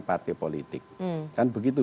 partai politik kan begitu